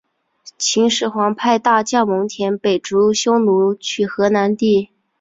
秦始皇派大将蒙恬北逐匈奴取河南地。